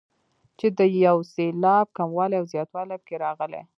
چې د یو سېلاب کموالی او زیاتوالی پکې راغلی.